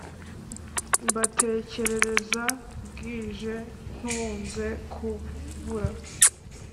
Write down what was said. mbatekerereza bwije ntumze kubura